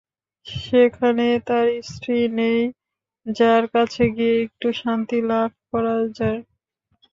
সেখানে তাঁর স্ত্রী নেই, যার কাছে গিয়ে একটু শান্তি লাভ করা যায়।